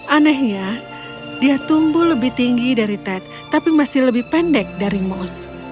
aneh ya dia tumbuh lebih tinggi dari ted tapi masih lebih pendek dari moose